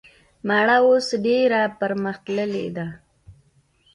مڼه اوس ډیره پرمختللي ده